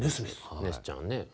ネスちゃんね。